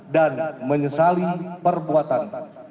dan menyesali perbuatan